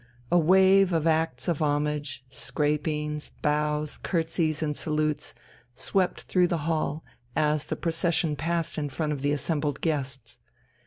A wave of acts of homage, scrapings, bows, curtseys and salutes, swept through the hall as the procession passed in front of the assembled guests.